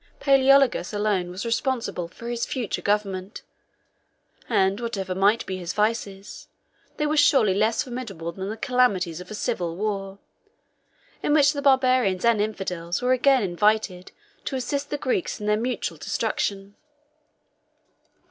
Palæologus alone was responsible for his future government; and whatever might be his vices, they were surely less formidable than the calamities of a civil war, in which the Barbarians and infidels were again invited to assist the Greeks in their mutual destruction.